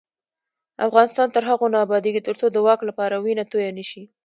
افغانستان تر هغو نه ابادیږي، ترڅو د واک لپاره وینه تویه نشي.